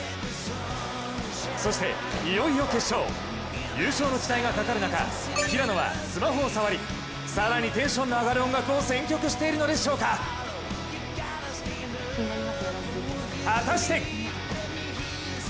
そしていよいよ決勝優勝の期待がかかる中平野はスマホを触り更にテンションの上がる音楽を選曲しているのでしょうか、果たして！